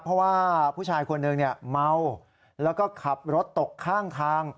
เพราะว่าผู้ชายคนหนึ่งเมาแล้วก็ขับรถตกข้างทาง